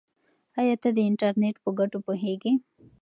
آیا ته د انټرنیټ په ګټو پوهېږې؟